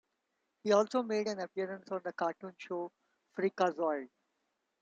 He also made an appearance on the cartoon show Freakazoid!